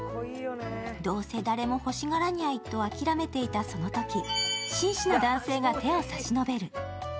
どうせ誰も欲しがらにゃいと諦めていたとき紳士な男性が手を差し伸べる。